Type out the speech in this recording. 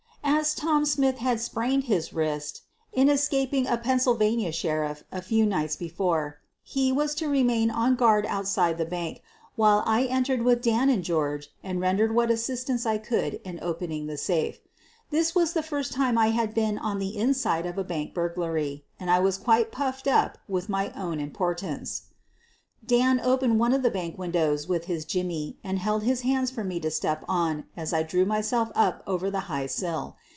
As Tom Smith had sprained his wrist in escaping SURPRISED BY A SI,83P WAI,K*R. QUEEN OF THE BURGLAKS 231 from a Pennsylvania sheriff a few nights before he was to remain on guard outside the bank, while I entered with Dan and George and rendered what assistance I could in opening the safe. This was the first time I had ever been on the "inside" of a bank burglary and I was quite purled up with my own importance. Dan opened one of the bank windows with his jimmy and held his hands for me to step on as I drew myself up over the high sill.